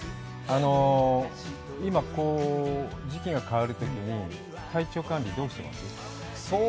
今、時期が変わるときに体調管理、どうしてます？